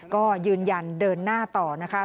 ก็ยืนยันเดินหน้าต่อนะคะ